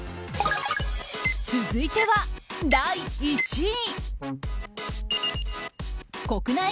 続いては第１位。